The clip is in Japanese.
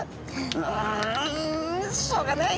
「うんしょうがない。